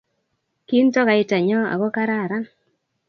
kinto kaitanyo ako kararan